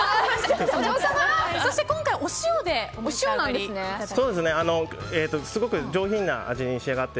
そして今回お塩で召し上がり。